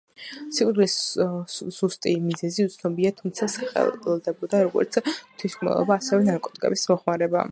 სიკვდილის ზუსტი მიზეზი უცნობია, თუმცა სახელდებოდა როგორც თვითმკვლელობა, ასევე ნარკოტიკების მოხმარება.